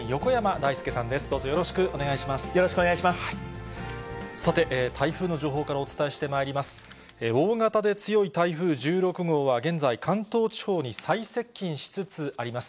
大型で強い台風１６号は現在、関東地方に最接近しつつあります。